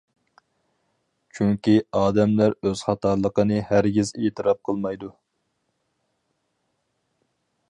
چۈنكى ئادەملەر ئۆز خاتالىقىنى ھەرگىز ئېتىراپ قىلمايدۇ.